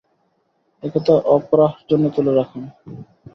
একথা অপরাহর জন্য তুলে রাখুন।